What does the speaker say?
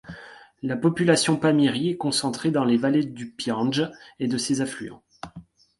La population pamirie est concentrée dans les vallées du Pyandj et de ses affluents.